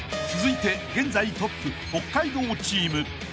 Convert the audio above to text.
［続いて現在トップ北海道チーム。